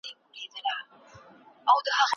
آيا اقتصادي ترقي او رفا هم ورته مانا لري؟